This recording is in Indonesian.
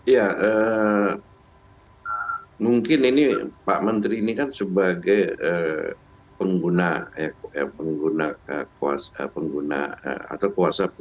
ya mungkin ini pak menteri ini kan sebagai pengguna atau kuasa